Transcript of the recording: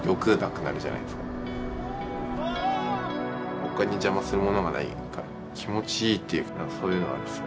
他に邪魔するものがないから気持ちいいっていうかそういうのがあるっすね。